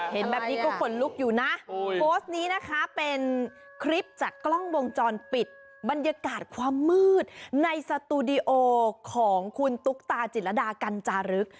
โพสต์นี้นะคะเป็นคลิปจากกล้องวงจรปิดบรรยากาศความมืดในสตูดิโอของคุณตุ๊กตาจิตรดากันจารึก